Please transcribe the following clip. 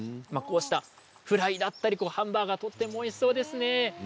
フライだったりハンバーガーとてもおいしそうですね。